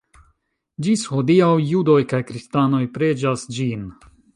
Ĝis hodiaŭ judoj kaj kristanoj preĝas ĝin.